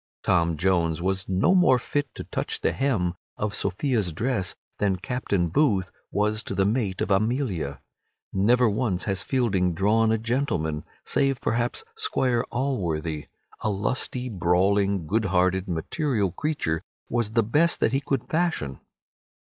Tom Jones was no more fit to touch the hem of Sophia's dress than Captain Booth was to be the mate of Amelia. Never once has Fielding drawn a gentleman, save perhaps Squire Alworthy. A lusty, brawling, good hearted, material creature was the best that he could fashion.